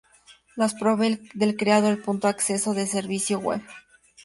Las provee el creador del punto de acceso al servicio web.